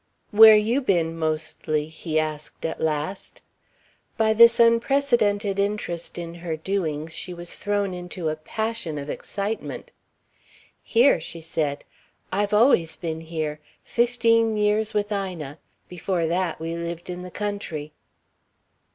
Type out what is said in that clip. "Where you been mostly?" he asked at last. By this unprecedented interest in her doings she was thrown into a passion of excitement. "Here," she said. "I've always been here. Fifteen years with Ina. Before that we lived in the country."